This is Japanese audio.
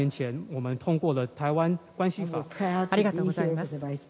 ありがとうございます。